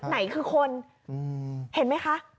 ไหนคือคนเห็นไหมคะ